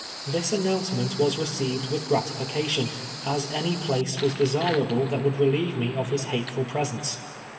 This announcement was received with gratification, as any place was de sirable that would relieve me of his hateful presence.